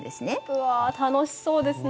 うわ楽しそうですね。